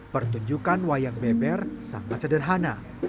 pertunjukan wayang beber sangat sederhana